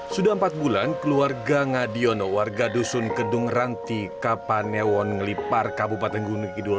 sudah empat bulan keluarga ngadiono warga dusun kedung ranti kapanewon ngelipar kabupaten gunung kidul